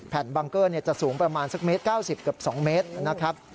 บังเกอร์จะสูงประมาณสักเมตร๙๐เกือบ๒เมตรนะครับ